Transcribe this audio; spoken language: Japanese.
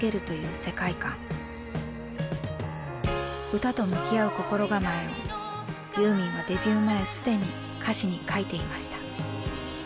歌と向き合う心構えをユーミンはデビュー前すでに歌詞に描いていました。